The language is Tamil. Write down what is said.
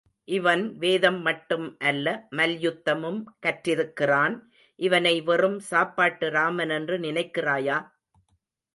இவன் வேதம் மட்டும் அல்ல மல்யுத்தமும் கற்றிருக்கிறான்.இவனை வெறும் சாப்பாட்டு ராமன் என்று நினைக்கிறாயா?